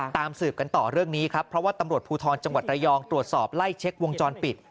สืบกันต่อเรื่องนี้ครับเพราะว่าตำรวจภูทรจังหวัดระยองตรวจสอบไล่เช็ควงจรปิด